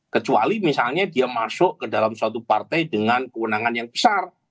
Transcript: kecuali misalnya dia masuk ke dalam suatu partai dengan kewenangan yang besar